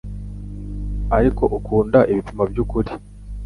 ariko akunda ibipimo by’ukuri